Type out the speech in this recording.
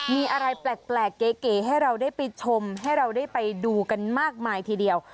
มีอะไรแปลกเก๋ให้เราได้ไปชมให้เราได้ไปดูกันมากมายทีเดียว